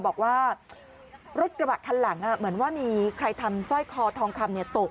บอกว่ารถกระบะคันหลังเหมือนว่ามีใครทำสร้อยคอทองคำตก